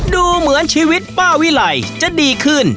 ดูเหมือนชีวิตป้าวิไลจะดีขึ้น